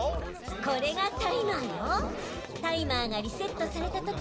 これがタイマーよ。